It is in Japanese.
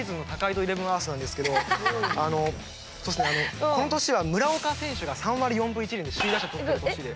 これはこの年は村岡選手が３割４分１厘で首位打者とってる年で。